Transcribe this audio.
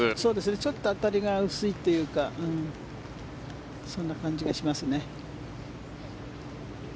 ちょっと当たりが薄いというかそんな感じがしますね。